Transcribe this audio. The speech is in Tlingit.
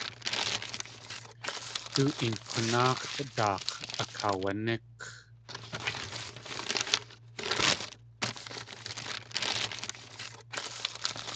Du een k̲unáax̲ daak̲ akaawaník.